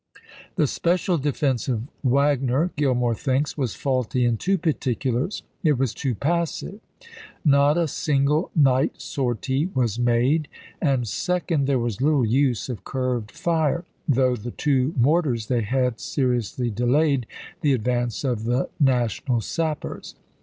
The special defense of Wagner, p. 36." Gillmore thinks, was faulty in two particulars ; it was too passive ; not a single night sortie was made ; and, second, there was little use of curved fire, though the two mortars they had seriously de layed the advance of the national sappers.